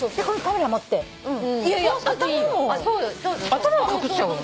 頭も隠しちゃうの？